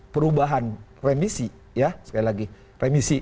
kemudian pemerintahan remisi